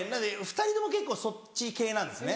２人とも結構そっち系なんですね。